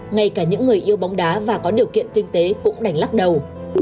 ngay cả những người yêu bóng đá và có điều kiện kinh tế cũng đành lắc đầu